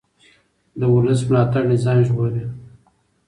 د ولس ملاتړ نظام ژغوري